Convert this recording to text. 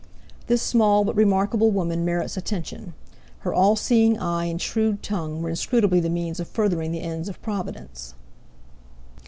This small but remarkable woman merits attention; her all seeing eye and shrewd tongue were inscrutably the means of furthering the ends of Providence.